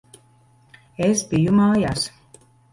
Es biju mājās.